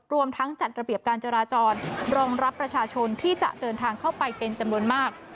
รวมทั้งจัดระเบียบการจราจรรองรับประชาชนที่จะเดินทางเข้าไปเป็นจำนวนมาก